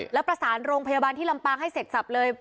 แล้วประสานโรงพยาบาลที่ลำปางให้เสร็จสับเลย